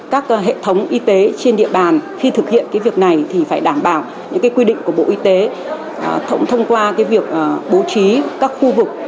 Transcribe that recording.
các hệ thống y tế trên địa bàn khi thực hiện việc này thì phải đảm bảo những quy định của bộ y tế thông qua việc bố trí các khu vực